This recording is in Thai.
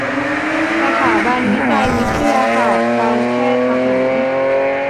สถาบันวิจัยวิทยาศาสตร์การแพทย์ทหาร